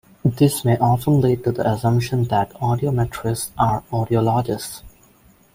This may often lead to the assumption that audiometrists are audiologists.